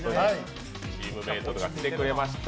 チームメートが来てくれました。